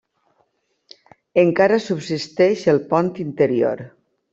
Encara subsisteix el pont interior.